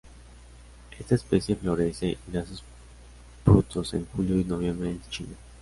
Esta especie florece y da sus frutos en julio y noviembre en China.